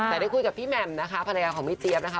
แต่ได้คุยกับพี่แหม่มนะคะภรรยาของพี่เจี๊ยบนะคะ